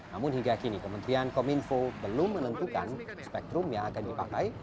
namun hingga kini kementerian kominfo belum menentukan spektrum yang akan dipakai